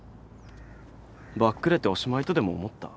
バックレておしまいとでも思った？